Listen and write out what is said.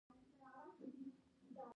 يو مهم بديل برابروي